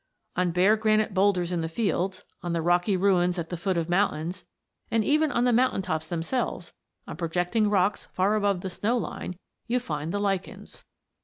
On bare granite boulders in the fields, on the rocky ruins at the foot of mountains, and even on the mountain tops themselves, on projecting rocks far above the snow line, you find the lichens.